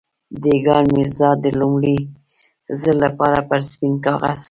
دېګان ميرزا د لومړي ځل لپاره پر سپين کاغذ.